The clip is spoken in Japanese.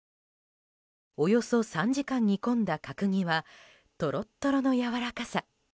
およそ３時間煮込んだ角煮はトロットロのやわらかさ。